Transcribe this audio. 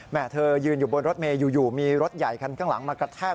เธอยืนอยู่บนรถเมย์อยู่มีรถใหญ่คันข้างหลังมากระแทก